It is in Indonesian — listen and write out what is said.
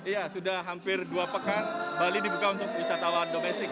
ya sudah hampir dua pekan bali dibuka untuk wisatawan domestik